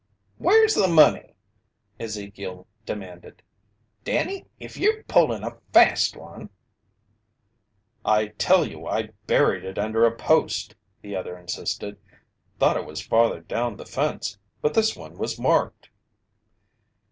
"Where's the money?" Ezekiel demanded. "Danny, if ye'r pullin' a fast one " "I tell you I buried it under a post!" the other insisted. "Thought it was farther down the fence, but this one was marked."